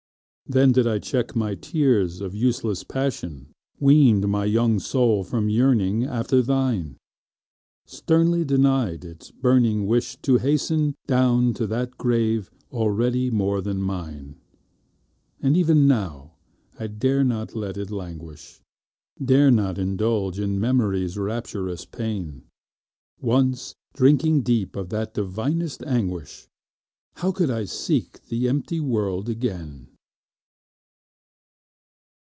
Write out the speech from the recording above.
Then did I check my tears of useless passion, Weaned my young soul from yearning after thine, Sternly denied its burning wish to hasten Down to that grave already more than mine! And even now, I dare not let it languish, Dare not indulge in Memory's rapturous pain; Once drinking deep of that divinest anguish, How could I seek the empty world again?